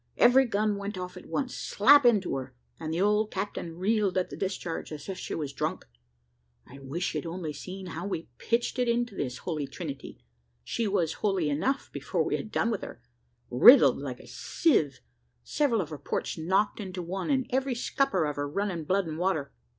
every gun went off at once, slap into her, and the old Captain reeled at the discharge as if she was drunk. I wish you'd only seen how we pitched it into this Holy Trinity; she was holy enough before we had done with her, riddled like a sieve, several of her ports knocked into one, and every scupper of her running blood and water.